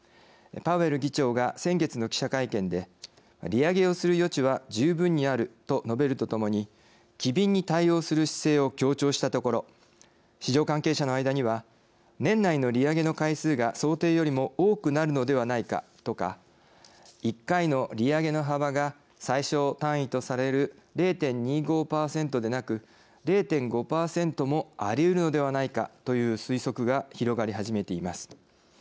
パウエル議長が先月の記者会見で利上げをする余地は十分にあると述べるとともに機敏に対応する姿勢を強調したところ市場関係者の間には年内の利上げの回数が想定よりも多くなるのではないかとか１回の利上げの幅が最小単位とされる０．２５％でなく０．５％もありうるのではないかという推測が広がりはじめています。